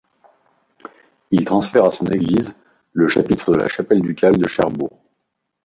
Il transfère à son église le chapitre de la chapelle ducale de Cherbourg.